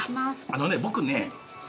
あのね僕ね。